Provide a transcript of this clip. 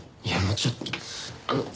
いやもうちょっと。